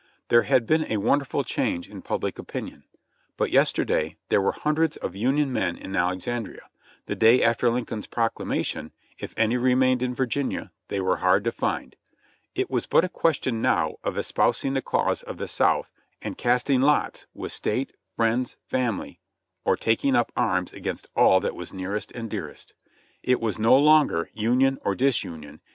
There had been a wonderful change in public opinion; but yesterday, there were hundreds of Union men in Alexandria ; the day after Lincoln's proclamation, if any remained in Virginia they were hard to find. It was but a ques tion now of espousing the cause of the South and casting lots with State, friends, family, or taking up arms against all that was near est and dearest. It was no longer "Union or Disunion."